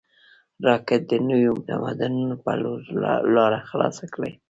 راکټ د نویو تمدنونو په لور لاره خلاصه کړې